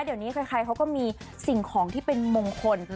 เดี๋ยวนี้ใครเขาก็มีสิ่งของที่เป็นมงคล